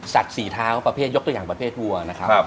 สีเท้าประเภทยกตัวอย่างประเภทวัวนะครับ